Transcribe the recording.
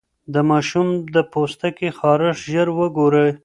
د ماشوم د پوستکي خارښت ژر وګورئ.